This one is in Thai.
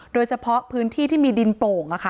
โดยเฉพาะพื้นที่ที่มีดินโป่ง